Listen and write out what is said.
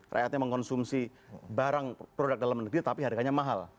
rakyatnya mengkonsumsi barang produk dalam negeri tapi harganya mahal